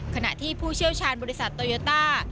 ขณะที่ผู้เชี่ยวชาญบริษัทโตโยต้า